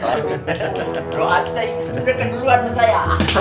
udah keduluan bersaya